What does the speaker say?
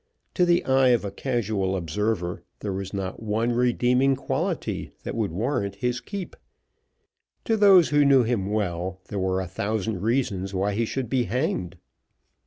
To the eye of a casual observer, there was not one redeeming quality that would warrant his keep; to those who knew him well, there were a thousand reasons why he should be hanged.